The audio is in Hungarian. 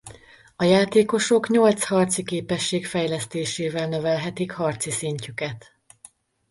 A játékosok nyolc harci képesség fejlesztésével növelhetik harci szintjüket.